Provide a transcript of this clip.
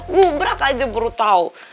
gubrak aja baru tau